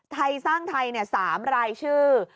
ไทยสร้างไทย๓รายชื่อ